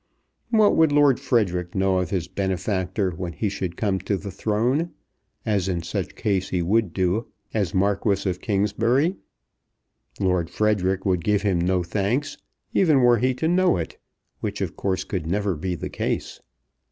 What would Lord Frederic know of his benefactor when he should come to the throne as in such case he would do as Marquis of Kingsbury? Lord Frederic would give him no thanks, even were he to know it, which of course could never be the case.